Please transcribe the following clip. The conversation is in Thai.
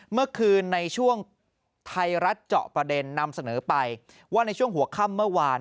เมื่อคืนในช่วงไทยรัฐเจาะประเด็นนำเสนอไปว่าในช่วงหัวค่ำเมื่อวาน